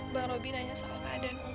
bang robi nanya soal keadaan ummi